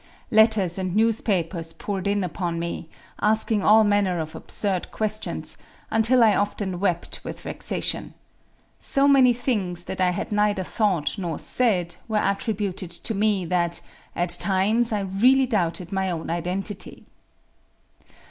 Letters and newspapers poured in upon me, asking all manner of absurd questions, until I often wept with vexation. So many things, that I had neither thought nor said, were attributed to me that, at times, I really doubted my own identity.